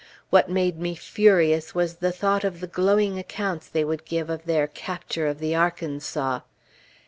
What made me furious was the thought of the glowing accounts they would give of their "capture of the Arkansas!!!"